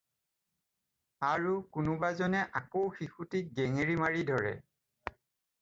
আৰু কোনোবাজনে আকৌ শিশুটিক গেঙেৰি মাৰি ধৰে।